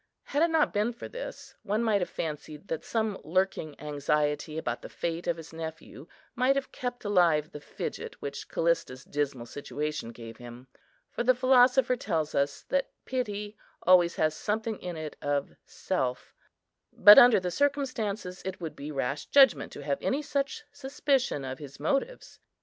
Had it not been for this, one might have fancied that some lurking anxiety about the fate of his nephew might have kept alive the fidget which Callista's dismal situation gave him, for the philosopher tells us, that pity always has something in it of self; but, under the circumstances, it would be rash judgment to have any such suspicion of his motives.